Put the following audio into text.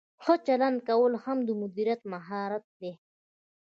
ښه چلند کول هم د مدیر مهارت دی.